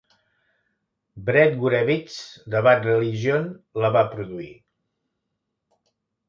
Brett Gurewitz de Bad Religion la va produir.